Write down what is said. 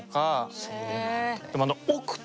そうなんだあ。